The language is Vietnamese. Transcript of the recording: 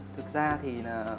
thực ra thì